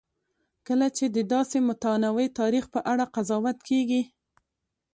کله چې د داسې متنوع تاریخ په اړه قضاوت کېږي.